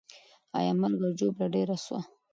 آیا مرګ او ژوبله ډېره سوه؟